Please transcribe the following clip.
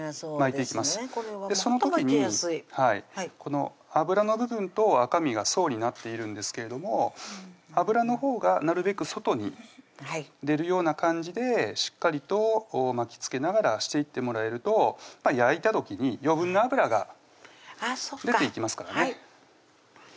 その時にこの脂の部分と赤身が層になっているんですけれども脂のほうがなるべく外に出るような感じでしっかりと巻きつけながらしていってもらえると焼いた時に余分な脂が出ていきますからね